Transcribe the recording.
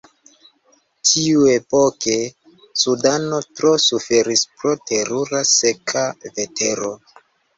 Tiuepoke, Sudano tro suferis pro terura seka vetero.